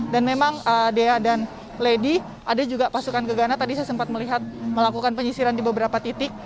dan memang dea dan lady ada juga pasukan gegana tadi saya sempat melihat melakukan penyisiran di beberapa titik